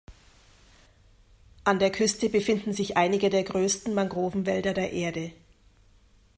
An der Küste befinden sich einige der größten Mangrovenwälder der Erde.